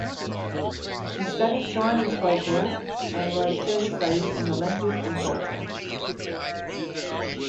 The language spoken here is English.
He studied Chinese folklore and wrote several studies on the language and culture.